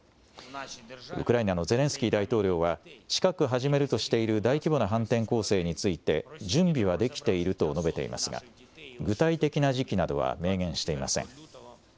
ウクライナのゼレンスキー大統領は、近く始めるとしている大規模な反転攻勢について、準備は出来ていると述べていますが、具体的な時期などは明言していません。